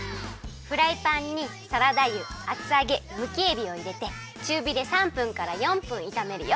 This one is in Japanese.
フライパンにサラダ油厚あげむきえびをいれてちゅうびで３分から４分いためるよ。